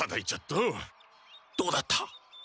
どうだった？